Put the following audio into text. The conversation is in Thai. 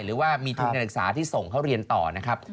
หรือว่ามีทุนการศึกษาที่ส่งเขาเรียนต่อนะครับ